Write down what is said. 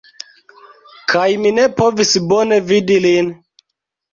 Kaj mi ne povis bone vidi lin